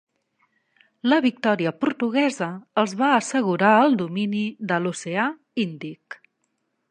La victòria portuguesa els va assegurar el domini de l'oceà Índic.